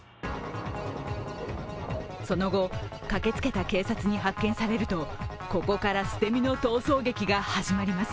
その後、駆けつけた警察に発見されるとここから捨て身の逃走劇が始まります。